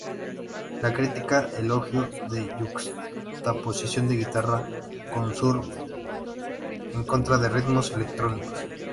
La crítica elogió la yuxtaposición de guitarra con "surf" en contra de ritmos electrónicos.